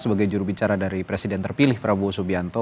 sebagai jurubicara dari presiden terpilih prabowo subianto